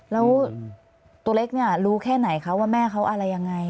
แล้วตัวเล็กเนี่ยรู้แค่ไหนคะว่าแม่เขาอะไรยังไง